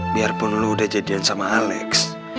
biarpun lu udah jadian sama alex